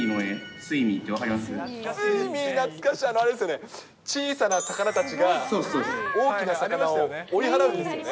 スイミー、懐かしい、あのあれですよね、小さな魚たちが大きな魚を追い払うんですよね。